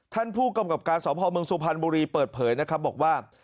ท่านผู้กำกับการสพเมืองสุพรรณบุรีเปิดเผยนะครับบอกว่า